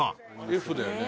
Ｆだよね。